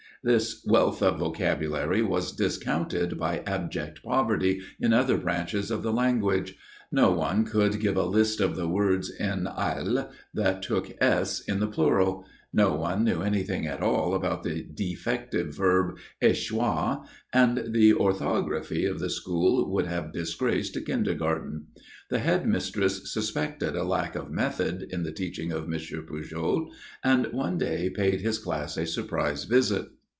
This wealth of vocabulary was discounted by abject poverty in other branches of the language. No one could give a list of the words in "al" that took "s" in the plural, no one knew anything at all about the defective verb échoir, and the orthography of the school would have disgraced a kindergarten. The head mistress suspected a lack of method in the teaching of M. Pujol, and one day paid his class a surprise visit.